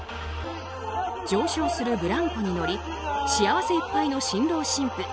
上昇するブランコに乗り幸せいっぱいの新郎新婦。